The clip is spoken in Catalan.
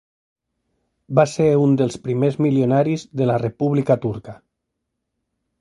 Va ser un dels primers milionaris de la República Turca.